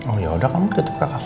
oh yaudah kamu tutup kakak